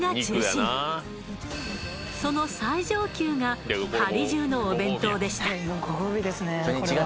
その最上級が「はり重」のお弁当でした。